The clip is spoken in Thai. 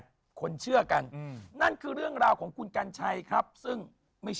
สัมพเวศีเนี่ยต้องไหว้ข้างนอกตรงทางสามแพงหรือว่าบริเวณถนนไหว้หน้าบ้านยังไม่มาไหว้เลย